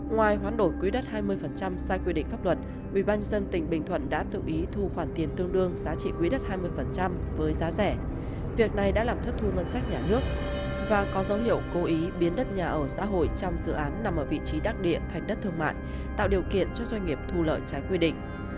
ngoài hoán đổi quỹ đất hai mươi sai quy định pháp luật ubnd tỉnh bình thuận đã tự ý thu khoản tiền tương đương giá trị quý đất hai mươi với giá rẻ việc này đã làm thất thu ngân sách nhà nước và có dấu hiệu cố ý biến đất nhà ở xã hội trong dự án nằm ở vị trí đắc địa thành đất thương mại tạo điều kiện cho doanh nghiệp thu lợi trái quy định